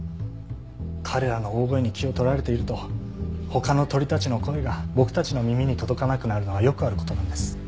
彼らの大声に気を取られていると他の鳥たちの声が僕たちの耳に届かなくなるのはよくある事なんです。